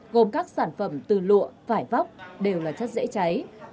gồm các sản phẩm từ lụa vải vóc đều là chất dễ cháy